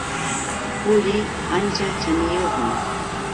Quri ancha chaniyuqmi.